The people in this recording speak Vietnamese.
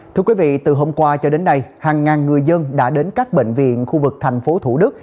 thưa quý vị từ hôm qua cho đến nay hàng ngàn người dân đã đến các bệnh viện khu vực thành phố thủ đức